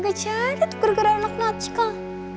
gak jadi tuh gara gara anak anak cikal